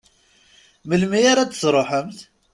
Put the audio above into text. Melmi ara d-truḥemt?